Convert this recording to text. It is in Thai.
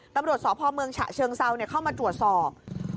ตำรวจสพเมืองฉะเชิงเซาเข้ามาตรวจสอบ